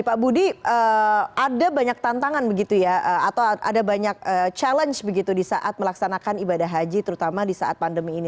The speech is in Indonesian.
pak budi ada banyak tantangan begitu ya atau ada banyak challenge begitu di saat melaksanakan ibadah haji terutama di saat pandemi ini